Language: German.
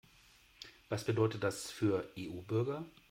Was bedeutet das für EU-Bürger?